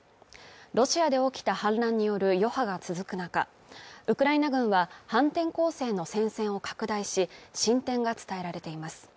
ロシアで起きた反乱による余波が続く中、ウクライナ軍は反転攻勢の戦線を拡大し、進展が伝えられています。